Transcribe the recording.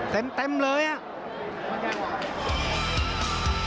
เต็มเลยอ่ะ